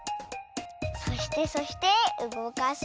そしてそしてうごかすと。